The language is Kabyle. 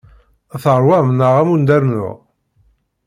Teṛwam neɣ ad wen-d-rnuɣ?